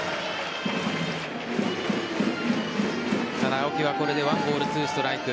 ただ、青木はこれで１ボール２ストライク。